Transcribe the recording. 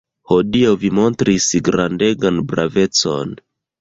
Hodiaŭ vi montris grandegan bravecon.